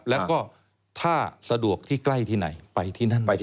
แล้วก็ถ้าสะดวกที่ใกล้ที่ไหนไปที่นั่นไปที่